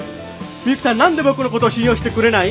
ミユキさん何で僕のこと信用してくれない？